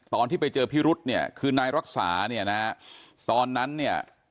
ตอนที่ไปเจอพิรุษเนี่ยคือนายรักษาเนี่ยนะฮะตอนนั้นเนี่ย